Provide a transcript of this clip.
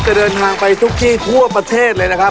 เดินทางไปทุกที่ทั่วประเทศเลยนะครับ